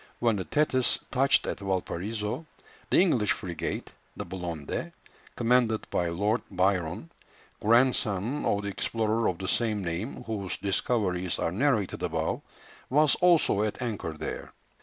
When the Thetis touched at Valparaiso, the English frigate, the Blonde, commanded by Lord Byron, grandson of the explorer of the same name, whose discoveries are narrated above, was also at anchor there.